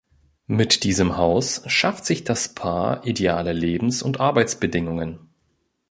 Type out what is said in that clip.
Mit diesem Haus schafft sich das Paar ideale Lebens- und Arbeitsbedingungen.